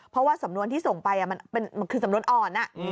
เพราะว่าสำนวนที่ส่งไปมันคือสำนวนอ่อน